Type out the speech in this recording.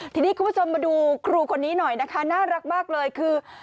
ทีนี้คุณผู้ชมมาดูครูคนนี้หน่อยนะคะน่ารักมากเลยคือ